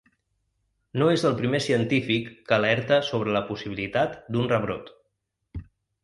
No és el primer científic que alerta sobre la possibilitat d’un rebrot.